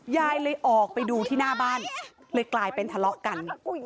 ยายเลยออกไปดูที่หน้าบ้านเลยกลายเป็นทะเลาะกัน